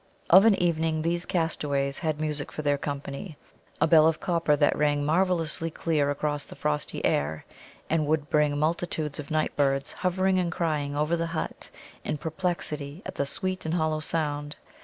Of an evening these castaways had music for their company a bell of copper that rang marvellously clear across the frosty air, and would bring multitudes of night birds hovering and crying over the hut in perplexity at the sweet and hollow sound.